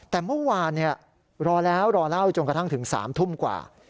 แต่เมื่อวานรอแล้วรอเล่าจนกระทั่งถึง๓ทุ่มกว่า